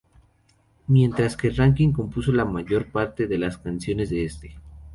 Mientras que Rankin compuso la mayor parte de las canciones de este.